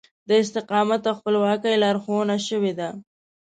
د استقامت او خپلواکي لارښوونه شوې ده.